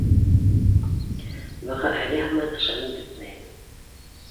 Быға әле һаман ышанып бөтмәйем.